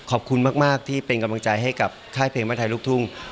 ขอบคุณมากที่เป็นกำลังใจให้กับค่ายเพลงมาไทยลูกทุ่ง